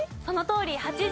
そのとおり。